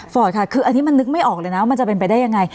ค่ะคืออันนี้มันนึกไม่ออกเลยนะว่ามันจะเป็นไปได้ยังไง